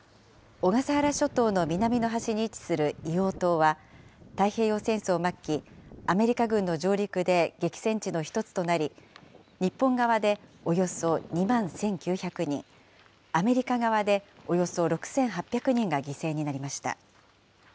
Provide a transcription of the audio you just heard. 小笠原諸島の南の端に位置する硫黄島は、太平洋戦争末期、アメリカ軍の上陸で激戦地の一つとなり、日本側でおよそ２万１９００人、アメリカ側でおよそ６８００人が犠牲になりました。